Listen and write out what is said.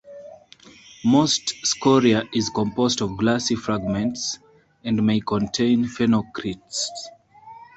Most scoria is composed of glassy fragments, and may contain phenocrysts.